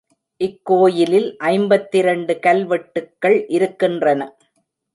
இக்கோயிலில் ஐம்பத்திரண்டு கல்வெட்டுக்கள் இருக்கின்றன.